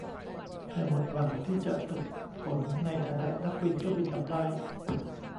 เธอหมดหวังที่จะฝึกฝนในฐานะนักบินเครื่องบินขับไล่